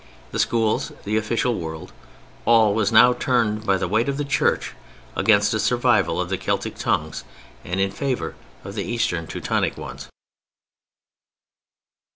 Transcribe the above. The schools, the official world—all—was now turned by the weight of the Church against a survival of the Celtic tongues and in favor of the Eastern Teutonic ones.